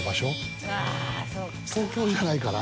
東京じゃないかな